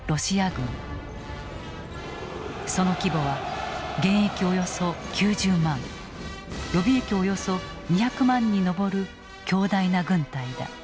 その規模は現役およそ９０万予備役およそ２００万に上る強大な軍隊だ。